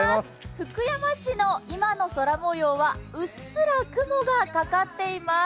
福山市の今の空もようはうっすら雲がかかっています。